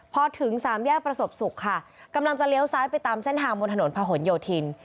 พอถึงสามแยกประสบสุขค่ะกำลังจะเลี้ยวซ้ายไปตามเส้นทางบนถนนพะหนโยธิน